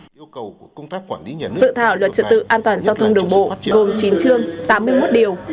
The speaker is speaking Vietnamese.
dự thảo luật trật tự an toàn giao thông đường bộ gồm chín chương tám mươi một điều